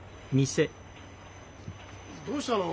どうしたの？